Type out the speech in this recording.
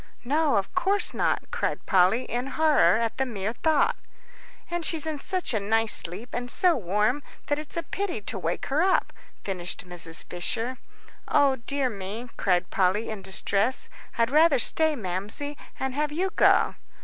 "No, of course not," cried Polly, in horror at the mere thought. "And she's in such a nice sleep and so warm, that it's a pity to wake her up," finished Mrs. Fisher. "O dear me," cried Polly, in distress, "I'd rather stay, Mamsie, and have you go."